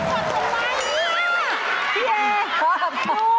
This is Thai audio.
ท้าวไลน์ท้าวไลน์ท้าวไลน์ท้าวไลน์ท้าวไลน์